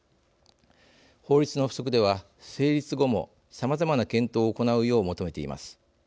法律の付則では成立後も、さまざまな検討を行うよう求めています。